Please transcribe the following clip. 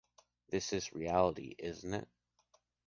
This is reality, isn’t it?